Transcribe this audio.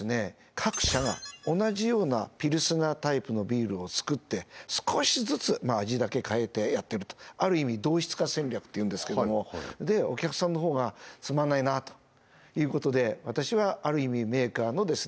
各社が同じようなピルスナータイプのビールを造って少しずつ味だけ変えてやってるとある意味「同質化戦略」というんですけどでお客さんの方がつまんないなということで私はある意味メーカーのですね